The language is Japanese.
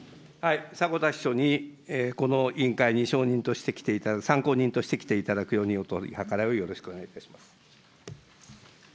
迫田秘書に、この委員会に証人として来ていただく、参考人として来ていただくように、与党に取り計らいをよろしくお願いいたします。